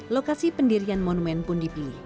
lokasi pendirian monumen pun dipilih